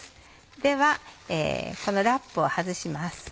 ではこのラップを外します。